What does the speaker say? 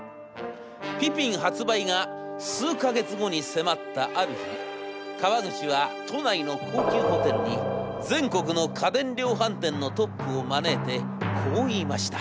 ピピン発売が数か月後に迫ったある日川口は都内の高級ホテルに全国の家電量販店のトップを招いてこう言いました。